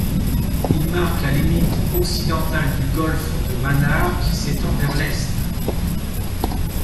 Il marque la limite occidentale du golfe de Mannar qui s'étend vers l'est.